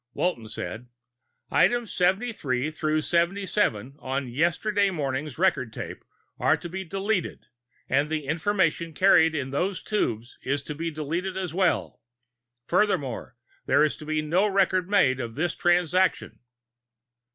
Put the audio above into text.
Walton said, "Items seventy three through seventy seven on yesterday morning's record tape are to be deleted, and the information carried in those tubes is to be deleted as well. Furthermore, there is to be no record made of this transaction."